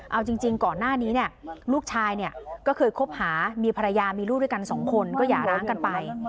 เอาจริงก่อนหน้านี้เนี่ยลูกชายเนี่ยก็เคยคบหามีภรรยามีลูกด้วยกันสองคนก็อย่าร้างกันไป